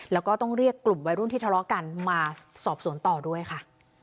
แล้วก็ต้องเรียกกลุ่มวัยรุ่นที่ทะเลาะกันมาสอบสวนต่อด้วยค่ะ